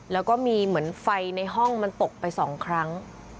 แล้วก็มีเหมือนไฟในห้องมันตกไปสองครั้ง